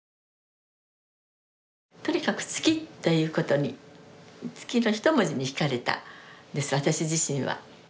とにかく月っていうことに月の一文字にひかれたんです私自身は。